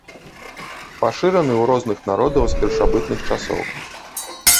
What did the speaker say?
Пашыраны ў розных народаў з першабытных часоў.